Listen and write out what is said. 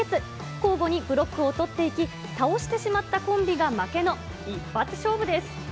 交互のブロックを取っていき、倒してしまったコンビが負けの一発勝負です。